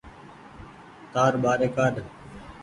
تآر ٻآري ڪآڏ۔